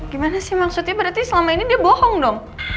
gimana sih maksudnya berarti selama ini dia bohong dong